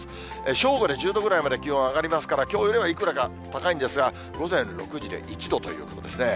正午で１０度ぐらいまで気温上がりますから、きょうよりはいくらか高いんですが、午前６時で１度ということですね。